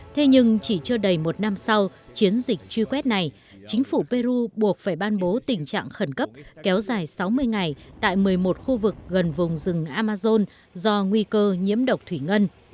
thế nhưng chỉ chưa đầy một năm sau chiến dịch truy quét này chính phủ peru buộc phải ban bố tình trạng khẩn cấp kéo dài sáu mươi ngày tại một mươi một khu vực gần vùng rừng amazon do nguy cơ nhiễm độc thủy ngân